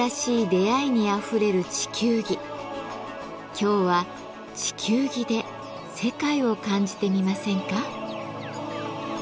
今日は地球儀で世界を感じてみませんか。